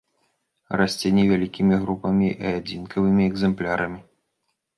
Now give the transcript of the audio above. Расце невялікімі групамі і адзінкавымі экземплярамі.